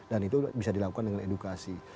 dan itu bisa dilakukan dengan edukasi